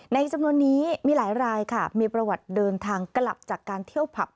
ในจำนวนนี้มีหลายรายค่ะมีประวัติเดินทางกลับจากการเที่ยวผับ